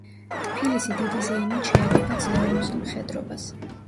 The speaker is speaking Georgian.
ტფილისი დიდი ზეიმით შეეგება ძლევამოსილ მხედრობას.